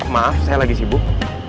maaf saya lagi sibuk